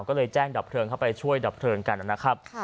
ก็เลยแจ้งดับเพลิงเข้าไปช่วยดับเพลิงกันนะครับ